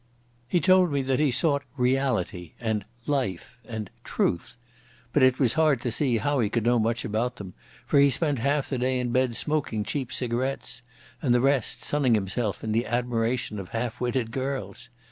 He told me that he sought "reality" and "life" and "truth", but it was hard to see how he could know much about them, for he spent half the day in bed smoking cheap cigarettes, and the rest sunning himself in the admiration of half witted girls.